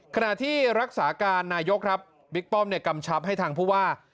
ขณะที่รักษาการนายกครับบิ๊กป้อมเนี่ยกำชับให้ทางผู้ว่า